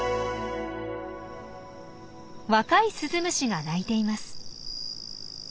若いスズムシが鳴いています。